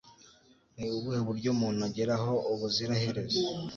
ni ubuhe buryo umuntu ageraho ubuziraherezo